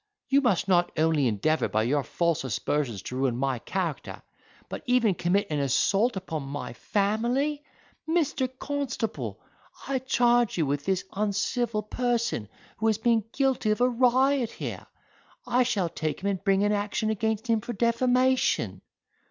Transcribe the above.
you must not only endeavour by your false aspersions to ruin my character, but even commit an assault upon my family! Mr. Constable, I charge you with this uncivil person, who has been guilty of a riot here; I shall take care and bring an action against him for defamation."